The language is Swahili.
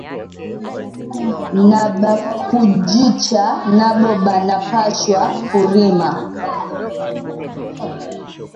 Na ba kujicha nabo bana pashwa ku rima